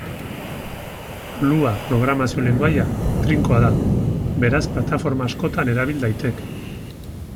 Lua programazio lengoaia trinkoa da, beraz plataforma askotan erabil daiteke.